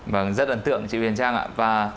vâng rất ấn tượng chị huyền trang ạ